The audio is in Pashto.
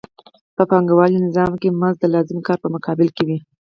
په پانګوالي نظام کې مزد د لازم کار په مقابل کې وي